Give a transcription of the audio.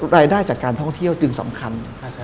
รายได้จากการท่องเที่ยวจึงสำคัญ